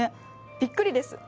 びっくりです。